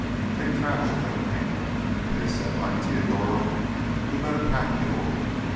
They traveled at an angle, the pace set by Teodoro who led a pack mule.